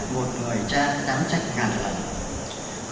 một người cha đáng trách ngàn lần